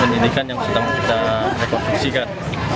menyelidikan yang sudah kita rekonstruksikan